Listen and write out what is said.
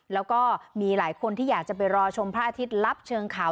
แล้วก็มีหลายคนที่อยากจะไปรอชมพระอาทิตย์ลับเชิงเขา